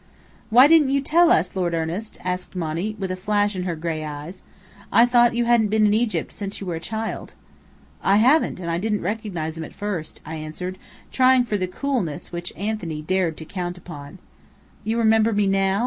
"Why didn't you tell us, Lord Ernest?" asked Monny, with a flash in her gray eyes. "I thought you hadn't been in Egypt since you were a child." "I haven't, and I didn't recognize him at first," I answered, trying for the coolness which Anthony dared to count upon. "You remember me now?"